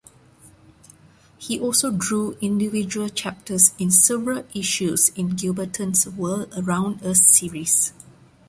He also drew individual chapters in several issues in Gilberton's "World Around Us" series.